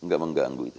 gak mengganggu itu